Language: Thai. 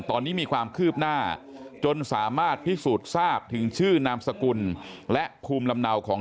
ตอนนี้มีความคืบหน้าจนสามารถพิสูจน์ทราบถึงชื่อนามสกุลและภูมิลำเนาของ